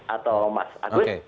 atau mas agus